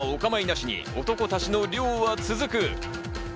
そんなことはお構いなしに、男たちの漁は続く。